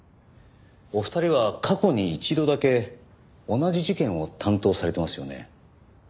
お二人は過去に一度だけ同じ事件を担当されてますよね？